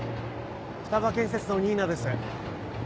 フタバ建設の新名です。